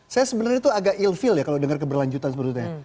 saya sebenarnya itu agak elvil ya kalau dengar keberlanjutan sebetulnya